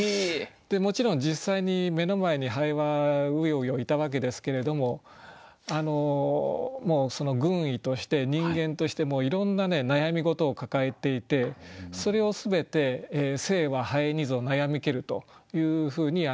もちろん実際に目の前に蠅はうようよいたわけですけれども軍医として人間としてもいろんな悩み事を抱えていてそれを全て「生は蠅にぞ悩みける」というふうに受け止めたわけです。